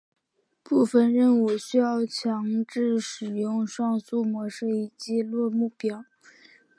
部分任务需要强制使用上述模式以击落目标。